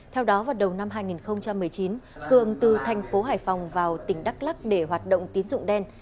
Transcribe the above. theo đó vào đầu năm hai nghìn một mươi chín cường từ thành phố hải phòng vào tỉnh đắk lắc để hoạt động tín dụng đen